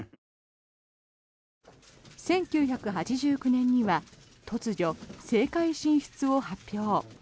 １９８９年には突如、政界進出を発表。